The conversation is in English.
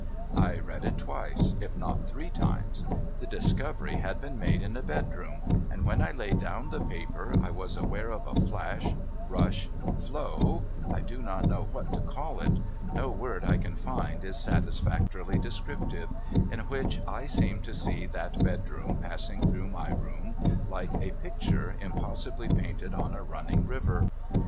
I read it twice, if not three times. The discovery had been made in a bedroom, and, when I laid down the paper, I was aware of a flash — rush — flow — I do not know what to call it, — no word I can find is satisfactorily descriptive, — in which I seemed to see that bedroom passing through my room, like a picture impossibly painted on a running river.